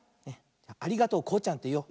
「ありがとうこうちゃん」っていおう。